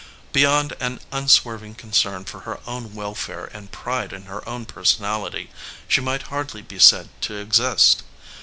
Beyond an unswerving concern for her own welfare and pride in her own personality, she might hardly be said to exist.